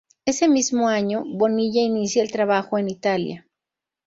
Ese mismo año, Bonilla inicia el trabajo en Italia.